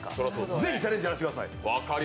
ぜひチャレンジやらせてください。